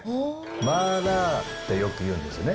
マーラーってよく言うんですね。